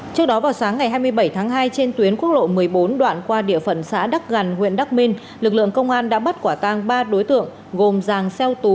trước đó vào sáng ngày hai mươi bảy tháng hai trên tuyến quốc lộ một mươi bốn đoạn qua địa phận xã đắc gằn huyện đắc minh lực lượng công an đã bắt quả tang ba đối tượng gồm giàng xeo tú